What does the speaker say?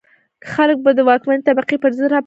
خلک به د واکمنې طبقې پر ضد را پاڅي.